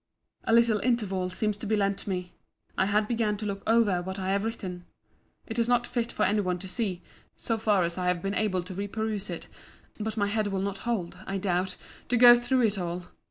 A little interval seems to be lent me. I had begun to look over what I have written. It is not fit for any one to see, so far as I have been able to re peruse it: but my head will not hold, I doubt, to go through it all.